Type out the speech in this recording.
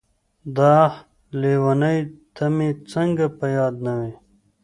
داح لېونۍ ته مې څنګه په ياده نه وې.